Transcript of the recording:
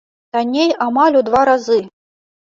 Танней амаль у два разы!